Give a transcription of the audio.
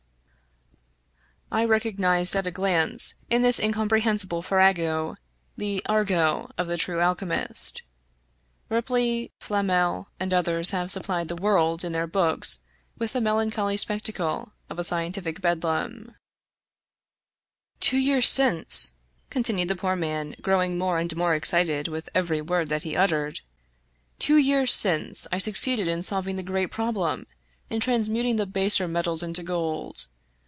I recognized at a glance, in this incomprehensible far rago, the argot of the true alchemist. Ripley, Flamel, and others have supplied the world, in their works, with the melancholy spectacle of a scientific bedlam. "Two years since," continued the poor man, growing more and more excited with every word that he uttered —" two years since, I succeeded in solving the great prob lem — in transmuting the baser metals into gold.